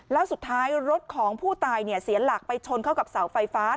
แล้วสุดท้ายรถของผู้ตายเสียหลักไปชนเข้ากับเสาไฟฟ้า